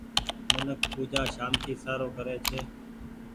منک پوجآ سانتي سارو ڪري ڇي۔